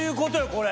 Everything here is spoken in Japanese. これ。